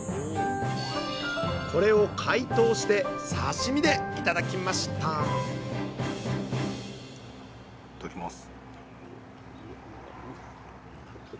これを解凍して刺身で頂きましたいただきます。